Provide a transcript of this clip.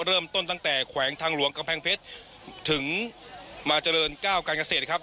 เริ่มต้นตั้งแต่แขวงทางหลวงกำแพงเพชรถึงมาเจริญก้าวการเกษตรครับ